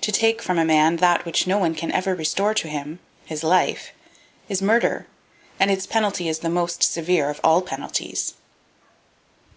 To take from a man that which no one ever can restore to him, his life, is murder; and its penalty is the most severe of all penalties.